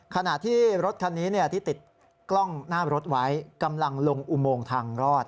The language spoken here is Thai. ขณะที่รถคันนี้ที่ติดกล้องหน้ารถไว้กำลังลงอุโมงทางรอด